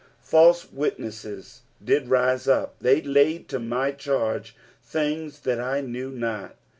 1 1 False witnesses did rise up ; they laid to my chaise things that I knew not.